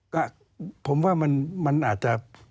ก็ผมว่ามันอาจจะ